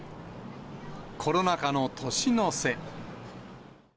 コロナ禍の年の瀬。